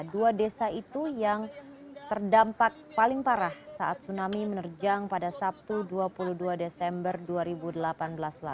dua desa itu yang terdampak paling parah saat tsunami menerjang pada sabtu dua puluh dua desember dua ribu delapan belas lalu